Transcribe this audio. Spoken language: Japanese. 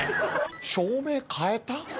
照明かえた？